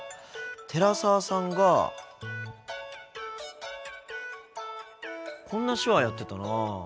寺澤さんがこんな手話やってたな。